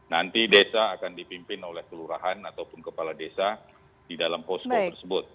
nanti desa akan dipimpin oleh kelurahan ataupun kepala desa di dalam posko tersebut